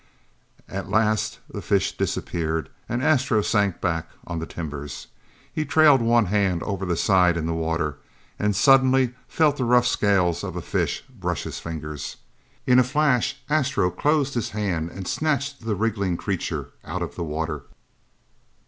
At last the fish disappeared and Astro sank back on the timbers. He trailed one hand over the side in the water, and suddenly, felt the rough scales of the fish brush his fingers. In a flash, Astro closed his hand and snatched the wriggling creature out of the water.